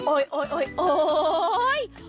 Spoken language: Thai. ๑๒๓๔๕๖โอ๊ยโอ๊ยโอ๊ย